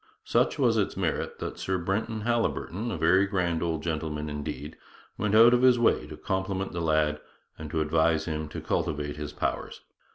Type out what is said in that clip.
Such was its merit that Sir Brenton Halliburton, a very grand old gentleman indeed, went out of his way to compliment the lad and to advise him to cultivate his powers.